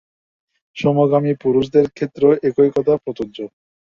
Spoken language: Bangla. সমকামী পুরুষদের ক্ষেত্রেও একই কথা প্রযোজ্য।